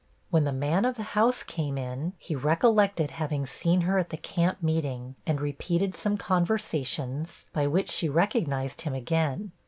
When the man of the house came in, he recollected having seen her at the camp meeting, and repeated some conversations, by which she recognized him again.